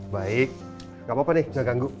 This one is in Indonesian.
baik gak apa apa nih bisa ganggu